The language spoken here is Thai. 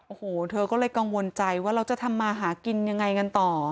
โอ้โหเธอก็เลยกังวลใจว่าเราจะทำมาหากินยังไงกันต่อ